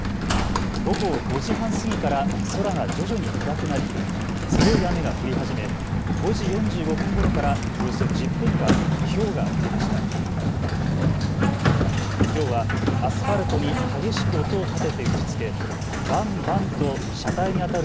午後５時半過ぎから空が徐々に暗くなり強い雨が降り始め、５時４５分ごろからおよそ１０分間ひょうが降りました。